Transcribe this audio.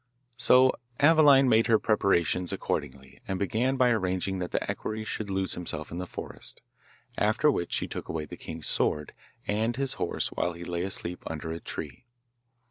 So Aveline made her preparations accordingly, and began by arranging that the equerry should lose himself in the forest, after which she took away the king's sword and his horse while he lay asleep under a tree.